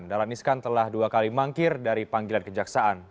dahlan iskan telah dua kali mangkir dari panggilan kejaksaan